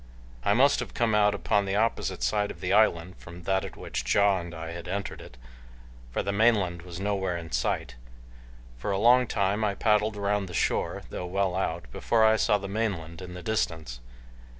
I must have come out upon the opposite side of the island from that at which Ja and I had entered it, for the mainland was nowhere in sight. For a long time I paddled around the shore, though well out, before I saw the mainland in the distance.